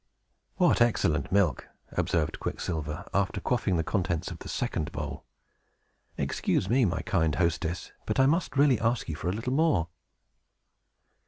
"What excellent milk!" observed Quicksilver, after quaffing the contents of the second bowl. "Excuse me, my kind hostess, but I must really ask you for a little more."